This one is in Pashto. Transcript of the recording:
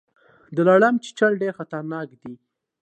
د لړم چیچل ډیر خطرناک دي